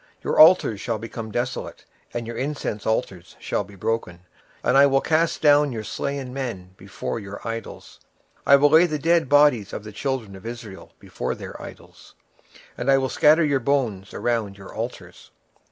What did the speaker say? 26:006:004 And your altars shall be desolate, and your images shall be broken: and I will cast down your slain men before your idols. 26:006:005 And I will lay the dead carcases of the children of Israel before their idols; and I will scatter your bones round about your altars.